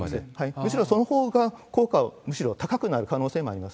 むしろそのほうが、効果はむしろ高くなる可能性もあります。